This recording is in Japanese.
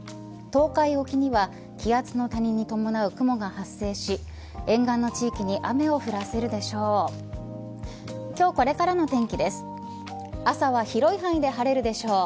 東海沖には気圧の谷に伴う雲が発生し沿岸の地域に雨を降らせるでしょう。